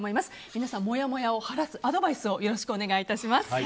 皆さんもやもやを晴らすアドバイスをよろしくお願い致します。